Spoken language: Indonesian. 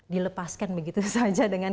dilepaskan begitu saja dengan